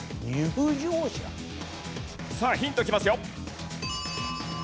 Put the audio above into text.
さあヒントきますよ。